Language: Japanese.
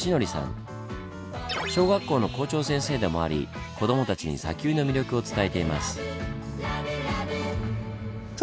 小学校の校長先生でもあり子供たちに砂丘の魅力を伝えています。